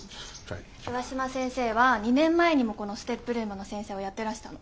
上嶋先生は２年前にもこのＳＴＥＰルームの先生をやってらしたの。